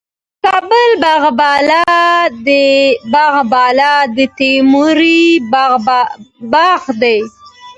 د کابل باغ بالا تیموري باغ دی